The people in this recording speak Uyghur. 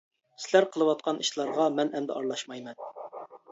سىلەر قىلىۋاتقان ئىشلارغا مەن ئەمدى ئارىلاشمايمەن.